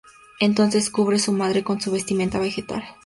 Y entonces, cubre a su madre con su vestimenta vegetal.